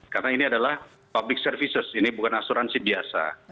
karena ini adalah public services ini bukan asuransi biasa